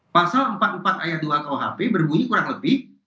pasal empat puluh empat ayat dua kuhp berbunyi kurang lebih